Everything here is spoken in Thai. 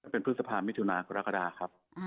เป็นพฤษภามิถุนากรกฎาครับ